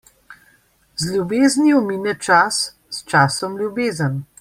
Z ljubeznijo mine čas, s časom ljubezen.